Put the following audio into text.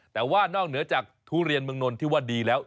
แต่ว่านอกเหนือจากทุเรียนเมืองนนที่ว่าดีแล้ว